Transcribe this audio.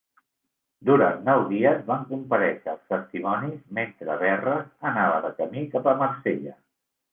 Durant nou dies van comparèixer els testimonis mentre Verres anava de camí cap a Marsella.